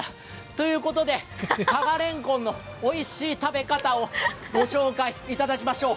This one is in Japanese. ということで、加賀れんこんのおいしい食べ方をご紹介いただきましょう。